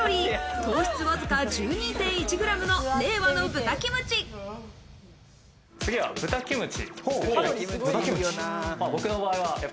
糖質わずか１２．１ｇの令和の豚キムチ。